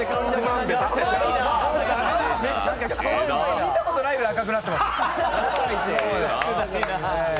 見たことないくらい赤くなってます。